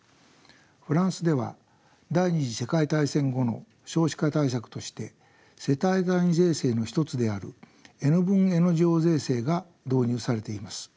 フランスでは第２次世界大戦後の少子化対策として世帯単位税制の一つであるＮ分Ｎ乗税制が導入されています。